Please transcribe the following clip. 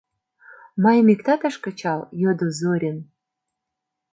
— Мыйым иктат ыш кычал? — йодо Зорин.